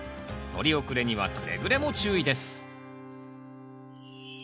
とり遅れにはくれぐれも注意です